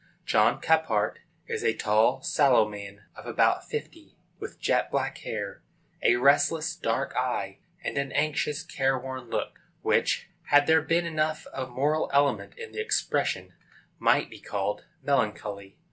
John Caphart is a tall, sallow man, of about fifty, with jet black hair, a restless, dark eye, and an anxious, care worn look, which, had there been enough of moral element in the expression, might be called melancholy.